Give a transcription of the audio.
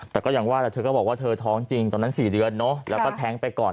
แต่ก็ยังว่าแต่เธอก็บอกว่าเธอท้องจริงตอนนั้น๔เดือนเนอะแล้วก็แท้งไปก่อน